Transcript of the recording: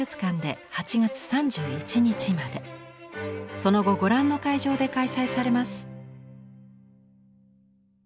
その後ご覧の会場で開催されます。